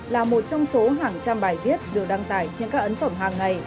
là một trong số hàng trăm bài viết được đăng tải trên các ấn phẩm hàng ngày